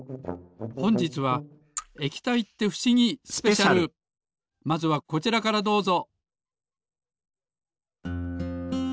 ほんじつはまずはこちらからどうぞ。